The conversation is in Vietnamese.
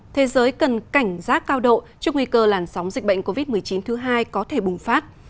thế giới cần cảnh giác cao độ trước nguy cơ làn sóng dịch bệnh covid một mươi chín thứ hai có thể bùng phát